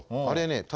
あれね